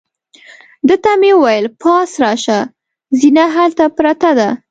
ده ته مې وویل: پاس راشه، زینه هلته پرته ده.